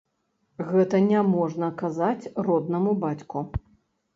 Гэтага няможна казаць роднаму бацьку.